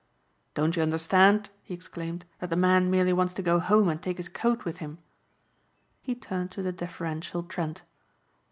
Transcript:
"Don't you understand," he exclaimed, "that the man merely wants to go home and take his coat with him?" He turned to the deferential Trent.